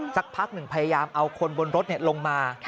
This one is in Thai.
สักพักหนึ่งพยายามเอาคนบนรถลงมา